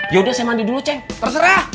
yaudah saya mandi dulu ceng terserah